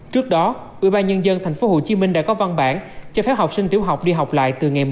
trước đó ubnd tp hcm đã có văn bản cho phép học sinh tiểu học đi học lại từ ngày một mươi bốn tháng hai